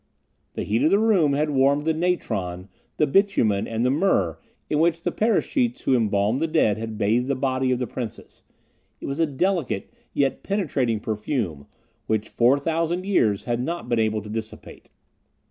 The heat of the room had warmed the natron, the bitumen, and the myrrh in which the paraschites who embalmed the dead had bathed the body of the Princess; it was a delicate, yet penetrating perfume, which four thousand years had not been able to dissipate.